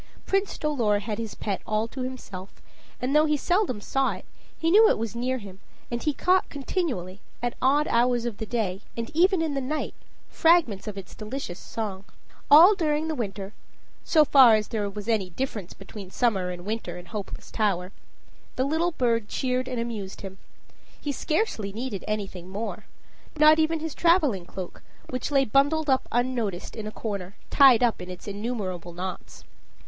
Prince Dolor had his pet all to himself, and though he seldom saw it, he knew it was near him, and he caught continually, at odd hours of the day, and even in the night, fragments of its delicious song. All during the winter so far as there ever was any difference between summer and winter in Hopeless Tower the little bird cheered and amused him. He scarcely needed anything more not even his traveling cloak, which lay bundled up unnoticed in a corner, tied up in its innumerable knots.